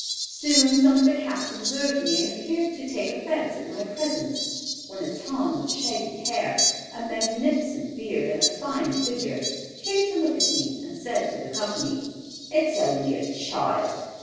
Soon some of the Cats observed me and appeared to take offence at my presence, when a Tom with shaggy hair, a magnificent beard, and a fine figure, came to look at me and said to the company, "It's only a child!"